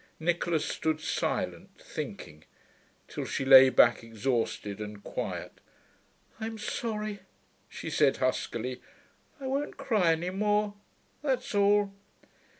Nicholas stood silent, thinking, till she lay back exhausted and quiet. 'I'm sorry,' she said huskily. 'I won't cry any more. That's all.'